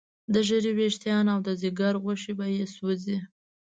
د ږیرې ویښتان او د ځیګر غوښې به یې سوځي.